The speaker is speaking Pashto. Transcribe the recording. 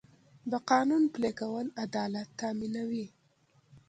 د قانون پلي کول عدالت تامینوي.